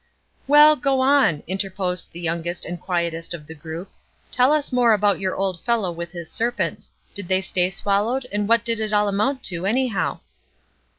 "Well, go on," interposed the youngest and quietest of the group. "Tell us some more about your old fellow with his serpents. Did they stay swallowed, and what did it all amount to, anyhow?"